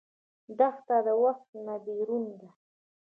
دښته د وخت نه بېرون ده.